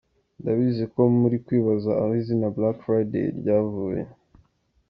Ndabizi ko muri kwibaza aho izina Black Friday ryavuye.